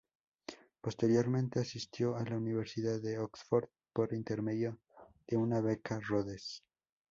Posteriormente asistió a la Universidad de Oxford por intermedio de una Beca Rhodes.